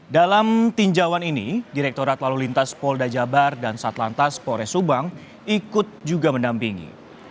dalam tinjauan ini direkturat lalu lintas pol dajabar dan satlantas pol resubang ikut juga menampingi